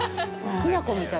◆きな粉みたい。